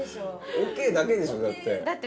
「オケイ」だけでしょだって。